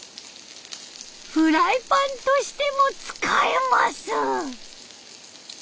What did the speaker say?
フライパンとしても使えます！